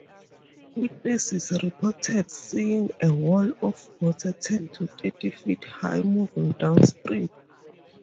Witnesses reported seeing a "wall of water" ten to thirty feet high moving downstream.